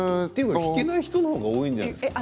弾けない人の方が多いんじゃないですか。